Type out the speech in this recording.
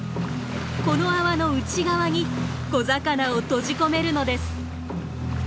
この泡の内側に小魚を閉じ込めるのです。